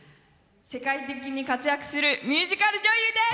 世界的に活躍するミュージカル女優です！